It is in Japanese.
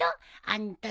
あんた